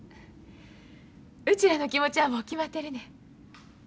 うちらの気持ちはもう決まってるねん。